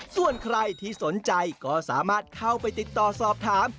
ส่วนใครที่สนใจก็สามารถเข้าไปติดต่อสอบถาม